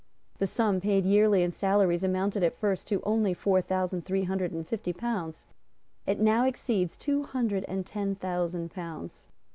The sum paid yearly in salaries amounted at first to only four thousand three hundred and fifty pounds. It now exceeds two hundred and ten thousand pounds.